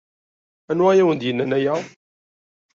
Anwa i awen-d-yennan aya?